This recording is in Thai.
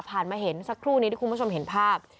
มาเห็นสักครู่นี้ที่คุณผู้ชมเห็นภาพ